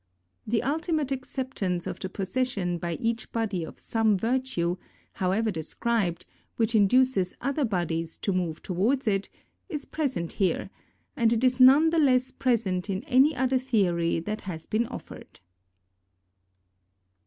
The ultimate acceptance of the possession by each body of some virtue, however de scribed, which induces other bodies to move towards it, is present here, and it is none the less present in any other theory that has been offered.